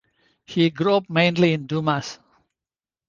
He grew up mainly in Dumas.